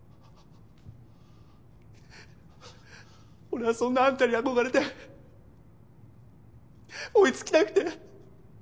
俺はそんなあんたに憧れて追いつきたくて。